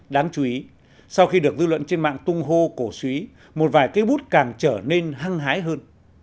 đáng chú ý sau khi được dư luận trên mạng tung hô cổ suý một vài cây bút càng trở nên hăng hái hơn